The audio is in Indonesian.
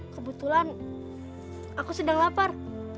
kebetulan aku sedang lapar